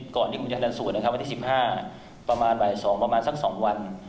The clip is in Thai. ก็คือประมาณ๒๓วันครับ